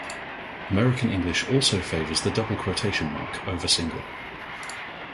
American English also favors the double quotation mark over single.